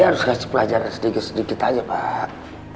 saya harus kasih pelajaran sedikit sedikit aja pak